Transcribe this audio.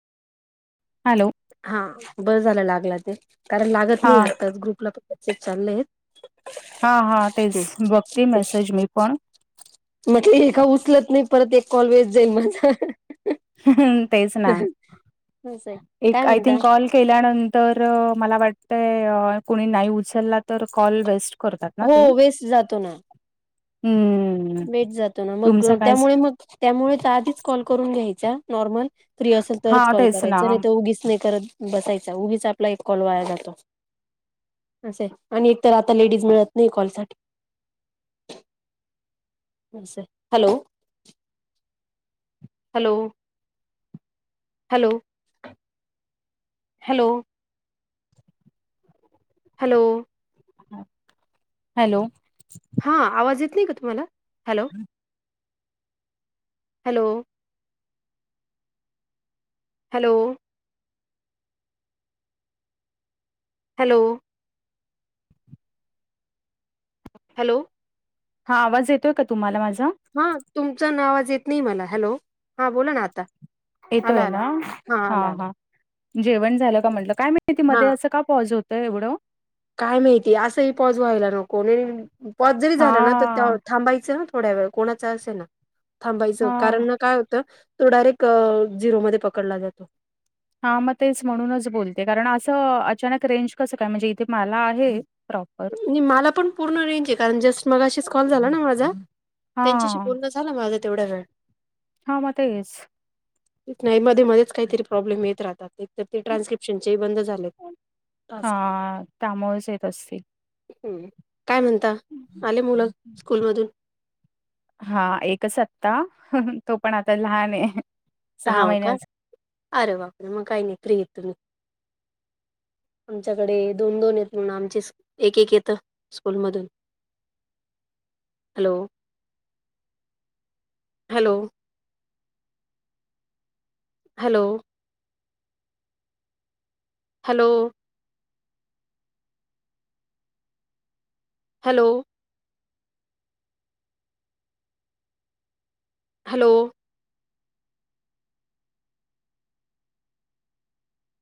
Hello. हा बरं झालं लागला ते कारण लागत हा नाही आत्ताच ग्रुपला [inaudible] चालले आहेत. हा हा तेच बघते मेसेज मी पण म्हटलं एका उचलत नाही परत एक कॉल वेस्ट जाईन माझं. ह तेच ना असं आहे काय एक आय म्हणता थिंक कॉल केल्यानंतर मला वाटतंय कुणी नाही उचलला तर कॉल वेस्ट करतात ना ते हो वेस्ट जातो ना. हम्म. वेट जातो ना मग तुमचं कायच त्यामुळे मग त्यामुळे आधीच कॉल करून घ्यायचा नॉर्मल फ्री असेल हा तरच कॉल तेच ना करायच आणि त उगीच नाही करत बसायचा उगीच आपला एक कॉल वाया जातो असं आणि एकतर आता लेडीज मिळत नाही कॉल साठी. Hello. Hello. Hello. Hello. Hello. Hello. हां आवाज येत नाही का तुम्हाला hello. Hello. Hello. Hello. Hello. हा आवाज येतोय का तुम्हाला माझा? हा तुमचं ना आवाज येत नाही मला हॅलो हा बोला ना आता. आला येतोय आला ना हां हा आला आला हा. जेवण झालं का म्हटलं काय माहिती मध्ये हां असं का पॉज होतं एवढं? काय माहिती असंही पॉज व्हायला नको [unintelligible] पॉज जरी हा झालं ना तर त्या थांबायचं थोड्या वेळ कोणाचा असे ना. थांबायचं हा कारण काय होतं तो डायरेक अ झिरोमध्ये पकडला जातो. हां मग तेच म्हणूनच बोलते कारण असं अचानक रेंज कसं काय म्हणजे इथे मला आहे प्रॉपर नी मला पण पूर्ण रेंज आहे कारण जस्ट मगाशीच कॉल झाला ना माझा त्यांच्याशी हा बोलणं झाला माझं तेवढं वेळ. हा म तेच. तेच नाही मध्ये मध्येच काहीतरी प्रॉब्लेम येत राहतात एक तर ते ट्रान्स्क्रिप्शनचेही बंद झाले. हा त्यामुळेच येत असतील. काय म्हणता आले मुलं स्कूल मधून? हा एकच आत्ता तो पण आता लहान आहे. हा का महिन्याचा. अरे बापरे मग काही नाहीे फ्री येत तुम्ही. आमच्याकडे दोन-दोन येत म्हणून आमचे एक-एक येत स्कूलमधून. Hello hello. Hello. Hello. Hello. Hello.